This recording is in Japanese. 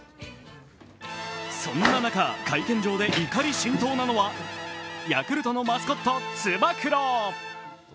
そんな中、会見場で怒り心頭なのはヤクルトのマスコット・つば九郎。